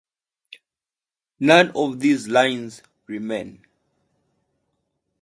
None of these lines remain.